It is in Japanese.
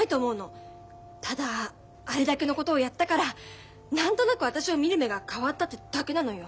ただあれだけのことをやったから何となく私を見る目が変わったってだけなのよ。